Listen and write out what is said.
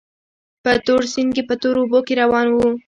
په تور سیند کې په تورو اوبو کې روان وو.